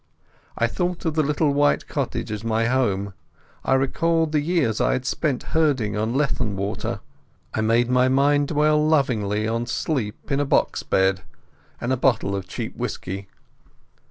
I thought of the little white cottage as my home, I recalled the years I had spent herding on Leithen Water, I made my mind dwell lovingly on sleep in a box bed and a bottle of cheap whisky.